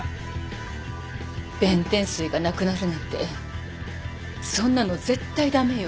弁天水がなくなるなんてそんなの絶対駄目よ。